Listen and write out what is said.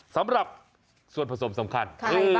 สำหรับส่วนผสมสำคัญ